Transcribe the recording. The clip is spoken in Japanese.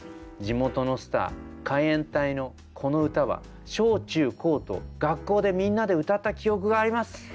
地元のスター海援隊のこの歌は小中高と学校でみんなで歌った記憶があります」。